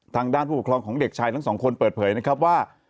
ทางด้านผู้ปกครองของเด็กชายทั้งสองคนเปิดเผยนะครับว่า